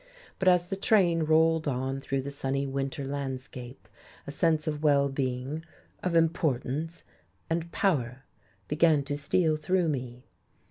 But as the train rolled on through the sunny winter landscape a sense of well being, of importance and power began to steal through me.